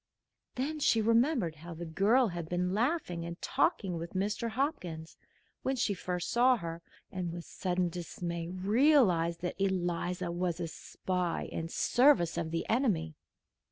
Then she remembered how the girl had been laughing and talking with Mr. Hopkins, when she first saw her, and with sudden dismay realized that Eliza was a spy in the service of the enemy.